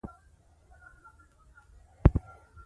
دا له خپلو ټولو ستونزو سره سره هوسا وې.